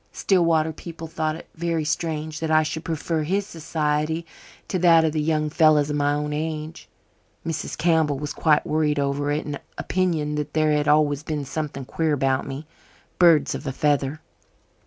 Stillwater people thought it very strange that I should prefer his society to that of the young fellows of my own age. Mrs. Campbell was quite worried over it, and opined that there had always been something queer about me. "Birds of a feather."